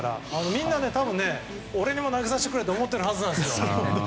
みんな多分俺にも投げさせてくれって思ってるはずなんですよ。